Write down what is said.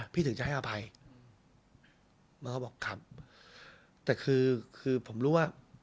พี่ถึงจะให้อภัยแล้วเขาบอกครับแต่คือคือผมรู้ว่า